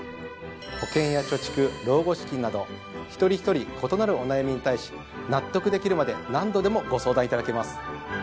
保険や貯蓄老後資金など一人一人異なるお悩みに対し納得できるまで何度でもご相談いただけます。